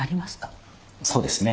そうですね